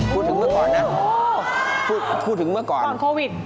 พูดถึงเมื่อก่อนนะพูดถึงเมื่อก่อนนะโอ้โฮก่อนโควิด